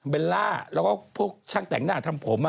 ล่าแล้วก็พวกช่างแต่งหน้าทำผม